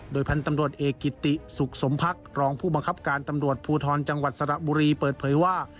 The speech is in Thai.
พันธุ์ตำรวจเอกกิติสุขสมพักรองผู้บังคับการตำรวจภูทรจังหวัดสระบุรีเปิดเผยว่า